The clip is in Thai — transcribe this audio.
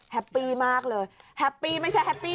แฮปปี้มากเลยแฮปปี้ไม่ใช่แฮปปี้